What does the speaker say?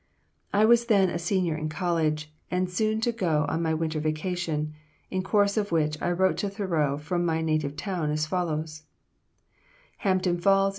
I was then a senior in college, and soon to go on my winter vacation; in course of which I wrote to Thoreau from my native town, as follows: "HAMPTON FALLS, N.